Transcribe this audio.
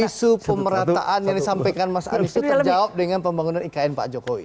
isu pemerataan yang disampaikan mas anies itu terjawab dengan pembangunan ikn pak jokowi